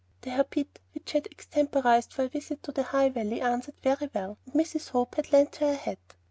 The habit which she had extemporized for her visit to the High Valley answered very well, and Mrs. Hope had lent her a hat.